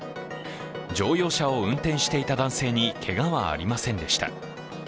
乗用車を運転していた男性にけがはありませんでした。